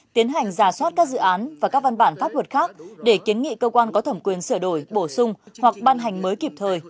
tiến hành giả soát các dự án và các văn bản pháp luật khác để kiến nghị cơ quan có thẩm quyền sửa đổi bổ sung hoặc ban hành mới kịp thời